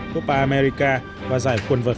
copa america và giải quần vật